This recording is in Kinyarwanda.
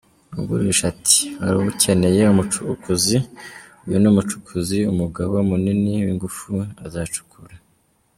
Ugurisha ati “Hari ukeneye umucukuzi? Uyu ni umucukuzi, umugabo munini w’ingufu, azacukura.